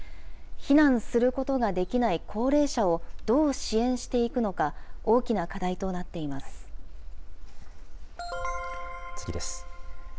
避難することができない高齢者をどう支援していくのか、大きな課次です。